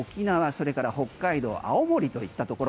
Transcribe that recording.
それから北海道青森といったところ。